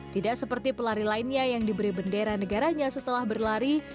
tidak seperti pelari lainnya yang diberi bendera negaranya setelah berlari